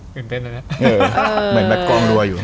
ตื่นเต้นแล้วนะเหมือนแบบกล้องดัวอยู่